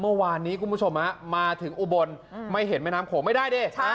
เมื่อวานนี้คุณผู้ชมมาถึงอุบลไม่เห็นแม่น้ำโขงไม่ได้ดิ